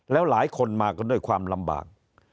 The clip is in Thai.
แล้วหลายคนมากันด้วยความลำบาก